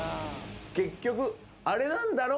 結局あれなんだろ？